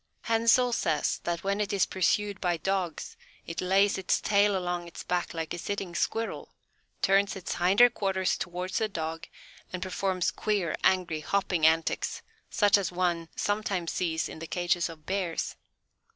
Hensel says that when it is pursued by dogs it lays its tail along its back like a sitting Squirrel, turns its hinder quarters towards the dogs and performs queer, angry, hopping antics, such as one sometimes sees in the cages of Bears.